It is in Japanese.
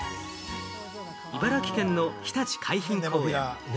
茨城県のひたち海浜公園。